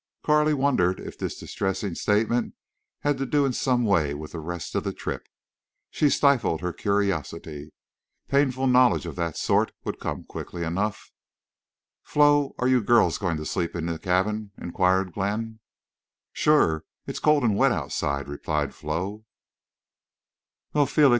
Carley wondered if this distressing statement had to do in some way with the rest of the trip. She stifled her curiosity. Painful knowledge of that sort would come quickly enough. "Flo, are you girls going to sleep here in the cabin?" inquired Glenn. "Shore. It's cold and wet outside," replied Flo.